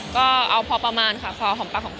ก็เอาพอประมาณค่ะพอของปลั๊กของพอ